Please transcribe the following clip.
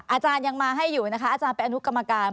อาจารย์ยังมาให้อยู่นะคะอาจารย์เป็นอนุกรรมการ